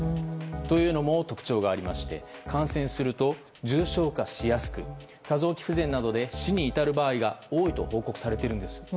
というのも、特徴がありまして感染すると重症化しやすく多臓器不全などで死に至る場合が多いと報告されています。